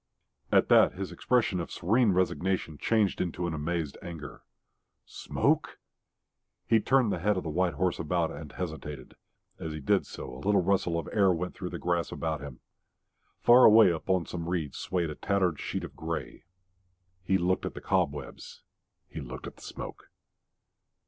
At that his expression of serene resignation changed to an amazed anger. Smoke? He turned the head of the white horse about, and hesitated. And as he did so a little rustle of air went through the grass about him. Far away upon some reeds swayed a tattered sheet of grey. He looked at the cobwebs; he looked at the smoke.